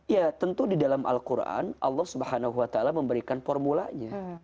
ya tentu di dalam al quran allah swt memberikan formulanya